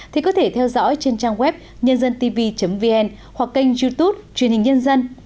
thì có thể theo dõi trên trang web nhândântv vn hoặc kênh youtube truyền hình nhân dân